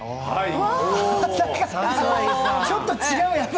ちょっと違うな。